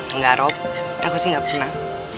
enggak rob aku sih gak pernah